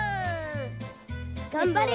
がんばれ！